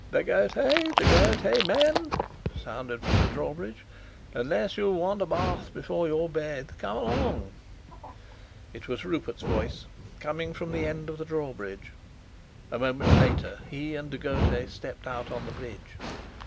"De Gautet, De Gautet, man!" sounded from the drawbridge. "Unless you want a bath before your bed, come along!" It was Rupert's voice, coming from the end of the drawbridge. A moment later he and De Gautet stepped out on the bridge.